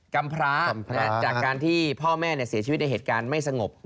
ำพร้าจากการที่พ่อแม่เสียชีวิตในเหตุการณ์ไม่สงบ